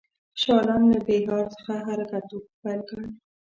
شاه عالم له بیهار څخه حرکت پیل کړ.